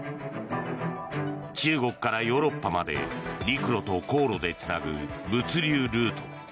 中国からヨーロッパまで陸路と航路でつなぐ物流ルート。